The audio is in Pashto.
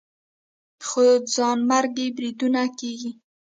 خو ځانمرګي بریدونه کېږي